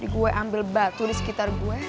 gue ambil batu di sekitar gue